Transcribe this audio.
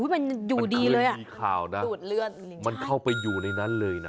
มันคือยีขาวนะมันเข้าไปอยู่ในนั้นเลยนะ